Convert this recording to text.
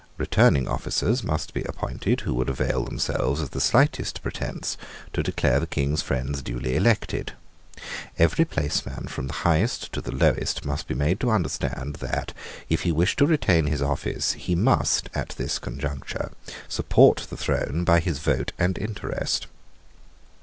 Returning officers must be appointed who would avail themselves of the slightest pretence to declare the King's friends duly elected. Every placeman, from the highest to the lowest, must be made to understand that, if he wished to retain his office, he must, at this conjuncture, support the throne by his vote and interest.